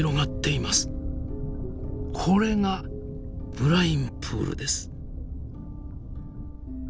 これがブラインプールです。